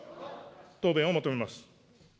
答弁を求めます。